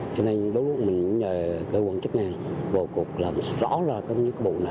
cho nên đối lúc mình nhờ cơ quan chức năng bầu cục làm rõ ra công nhiệm cơ bụng này